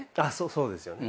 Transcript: そうですよね。